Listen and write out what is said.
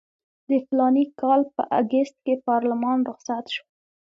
د فلاني کال په اګست کې پارلمان رخصت شو.